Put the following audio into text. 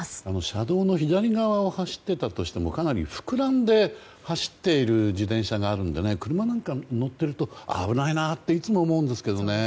車道の左側を走っていたとしてもかなり膨らんで走っている自転車があるので車なんか乗っていると危ないなっていつも思うんですけどね。